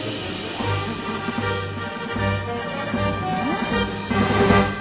ん？